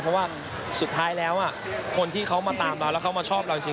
เพราะว่าสุดท้ายแล้วคนที่เขามาตามเราแล้วเขามาชอบเราจริง